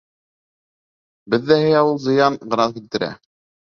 Беҙҙә иһә ул зыян ғына килтерә...